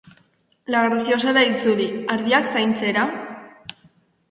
La Graciosara itzuli, ardiak zaintzera?